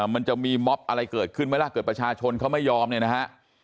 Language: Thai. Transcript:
มันจะมีม็อบอะไรเกิดขึ้นไหมล่ะเกิดประชาชนเขาไม่ยอมเนี่ยนะฮะ